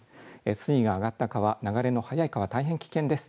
水位が上がった川、流れが速い川、大変危険です。